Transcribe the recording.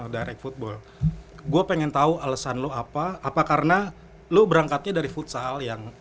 direct football gua pengen tahu alesan lu apa apa karena lu berangkatnya dari futsal yang